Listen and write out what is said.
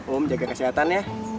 om jaga kesehatan ya